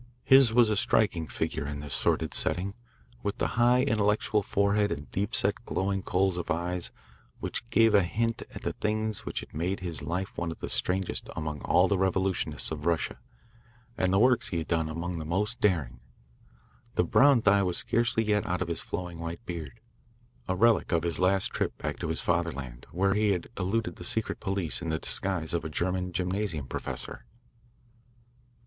His was a striking figure in this sordid setting, with a high intellectual forehead and deep set, glowing coals of eyes which gave a hint at the things which had made his life one of the strangest among all the revolutionists of Russia and the works he had done among the most daring. The brown dye was scarcely yet out of his flowing white beard a relic of his last trip back to his fatherland, where he had eluded the secret police in the disguise of a German gymnasium professor.